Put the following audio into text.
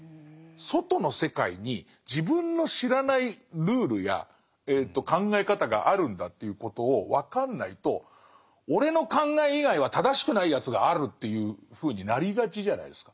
外の世界に自分の知らないルールや考え方があるんだということを分かんないと「俺の考え以外は正しくないやつがある」っていうふうになりがちじゃないですか。